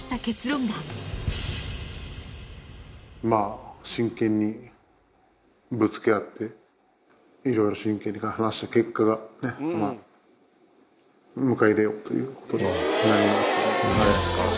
まあ、真剣にぶつけ合って、いろいろ真剣に話した結果が、迎え入れようということになりましたね。